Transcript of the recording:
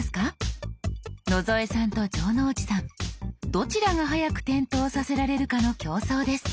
どちらが早く点灯させられるかの競争です。